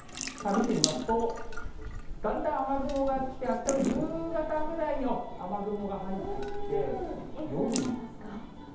見てみますと、だんだん雨雲が来て、あしたの夕方ぐらいに雨雲が入ってきて。